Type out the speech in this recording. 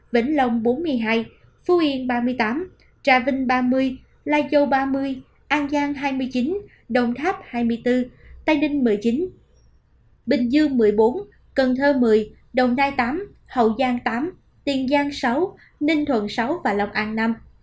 vĩnh long bốn mươi hai phú yên ba mươi tám trà vinh ba mươi lai châu ba mươi an giang hai mươi chín đồng tháp hai mươi bốn tây ninh một mươi chín bình dương một mươi bốn cần thơ một mươi đồng nai tám hậu giang tám tiền giang sáu ninh thuận sáu và long an nam